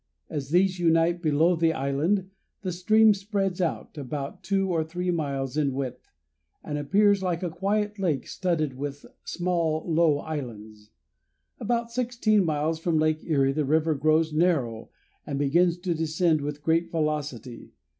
As these unite below the island the stream spreads out, about two or three miles in width, and appears like a quiet lake studded with small, low islands. About sixteen miles from Lake Erie the river grows narrow and begins to descend with great velocity.